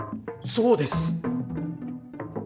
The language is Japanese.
そうです！